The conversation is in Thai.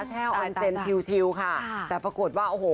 แช่ออนเซ็นต์ชิวค่ะแต่ปรากฏว่าโอ้โห